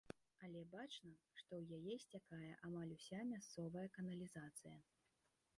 Але бачна, што ў яе сцякае амаль уся мясцовая каналізацыя.